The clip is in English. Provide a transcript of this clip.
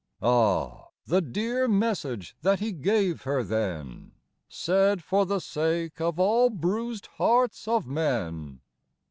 88 Ah, the dear message that He gave her then, Said for the sake of all bruised hearts of men